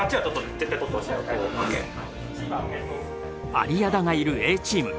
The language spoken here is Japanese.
有屋田がいるＡチーム。